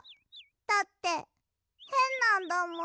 だってへんなんだもん。